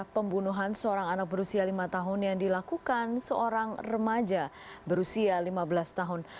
pembunuhan seorang anak berusia lima tahun yang dilakukan seorang remaja berusia lima belas tahun